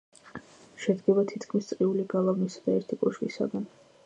შედგება თითქმის წრიული გალავნისა და ერთი კოშკისაგან.